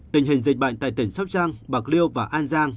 tình hình dịch bệnh tại tỉnh sóc trăng bạc liêu và an giang